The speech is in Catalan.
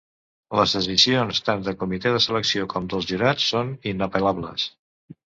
Les decisions, tant del Comitè de Selecció com dels Jurats, són inapel·lables.